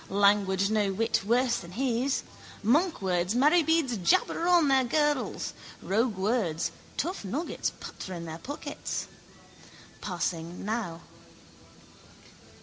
Language no whit worse than his. Monkwords, marybeads jabber on their girdles: roguewords, tough nuggets patter in their pockets. Passing now.